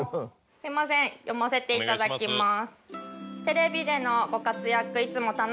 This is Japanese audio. すいません読ませていただきます。